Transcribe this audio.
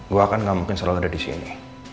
gue akan gak mungkin selalu ada disini